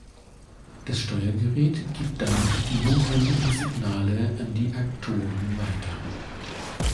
Das Steuergerät gibt dann die notwendigen Signale an die Aktoren weiter.